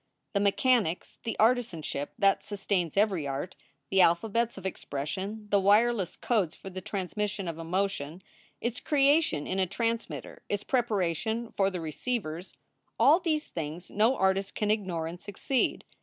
The me chanics, the artisanship that sustains every art, the alphabets of expression, the wireless codes for the transmission of emotion, its creation in a transmitter, its preparation fcr the receivers all these things no artist can ignore and succeed.